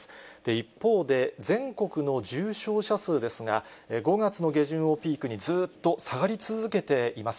一方で、全国の重症者数ですが、５月の下旬をピークにずっと下がり続けています。